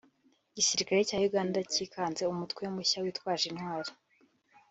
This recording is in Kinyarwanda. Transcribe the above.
Igisirikare cya Uganda cyikanze umutwe mushya witwaje intwaro